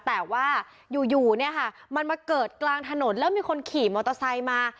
แต่ว่าอยู่เนี่ยค่ะมันมาเกิดกลางถนนแล้วมีคนขี่มอเตอร์ไซค์มา